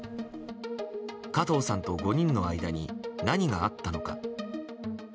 加藤さんと、５人の間に何があったのか。